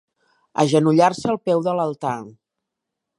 Agenollar-se al peu de l'altar.